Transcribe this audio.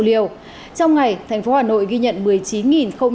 trong ngày tp hà nội ghi nhận một mươi chín thanh thiếu niên